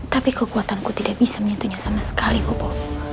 tapi kekuatanku tidak bisa menyentuhnya sama sekali kupo